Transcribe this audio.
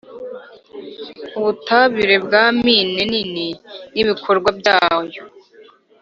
ubutabire bwa mine nini n ibikorwa byayo